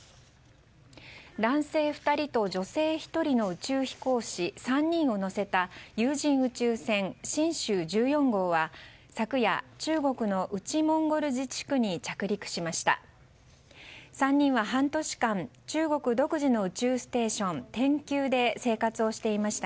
男性２人と女性１人の宇宙飛行士３人を乗せた有人宇宙船「神舟１４号」は昨夜、中国の内モンゴル自治区に着陸しました。